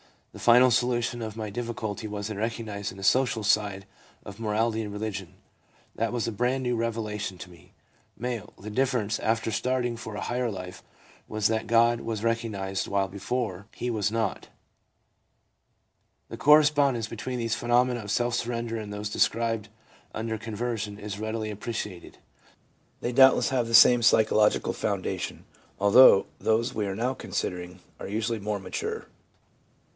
The final solution of my difficulty was in recognising the social side of morality and religion. That was a brand new revelation to me/ M. 'The difference, after starting for a higher life, was that God was recognised while before He was not/ The correspondence between these phenomena of self surrender and those described under conversion is readily appreciated. They doubtless have the same psychological foundation, although those we are now considering are usually more mature.